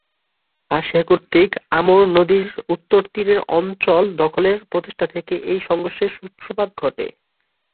Russia কর্তৃক Amur নদীর উত্তর তীরের অঞ্চল দখলের প্রচেষ্টা থেকে এই সংঘর্ষের সূত্রপাত ঘটে।